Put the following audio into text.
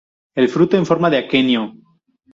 El fruto en forma de aquenio.